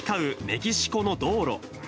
メキシコの道路。